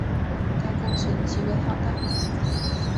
该工程极为浩大。